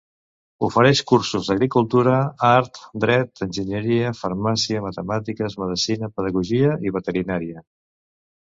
Ofereix cursos d'Agricultura, Art, Dret, Enginyeria, Farmàcia, Matemàtiques, Medicina, Pedagogia i Veterinària.